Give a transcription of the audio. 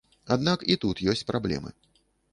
Аднак і тут ёсць праблемы.